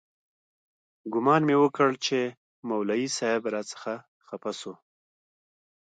ګومان مې وکړ چې مولوي صاحب راڅخه خپه سو.